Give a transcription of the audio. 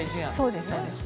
そうですそうです。